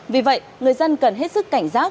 vì vậy người dân cần hết sức cảnh giác